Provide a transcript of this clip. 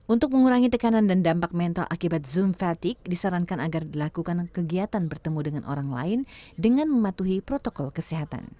untuk mengurangi tekanan dan dampak mental akibat zoom fatigue disarankan agar dilakukan kegiatan bertemu dengan orang lain dengan mematuhi protokol kesehatan